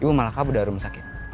gue malah kabur dari rumah sakit